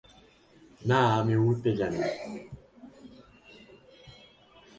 না, আমি উড়তে জানি।